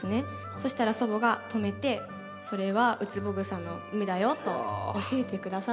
そしたら祖母が止めてそれはウツボグサの芽だよと教えてくださったんですね。